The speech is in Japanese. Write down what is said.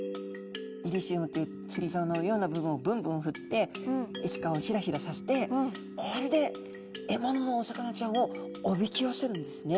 イリシウムというつりざおのような部分をぶんぶんふってエスカをひらひらさせてこれで獲物のお魚ちゃんをおびき寄せるんですね。